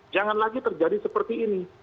jangan lagi terjadi seperti ini